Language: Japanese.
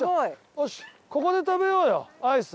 よしここで食べようよアイス。